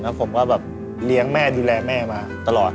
แล้วผมก็แบบเลี้ยงแม่ดูแลแม่มาตลอด